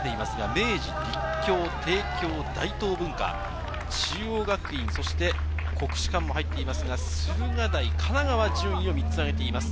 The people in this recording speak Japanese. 明治、立教、帝京、大東文化、中央学院、そして国士舘も入っていますが、駿河台、神奈川、順位を３つ上げています。